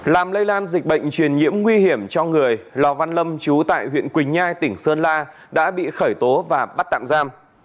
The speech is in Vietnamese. làm lây lan dịch bệnh truyền nhiễm nguy hiểm cho người lò văn lâm chú tại huyện quỳnh nhai tỉnh sơn la đã bị khởi tố và bắt tạm giam